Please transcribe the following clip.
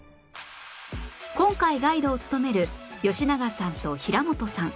今回ガイドを務める吉永さんと平本さん